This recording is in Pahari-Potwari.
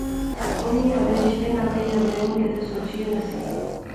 انی ہالے رشتے ناطے یا بیاہ نی کیدے سوچی ایہہ نہسی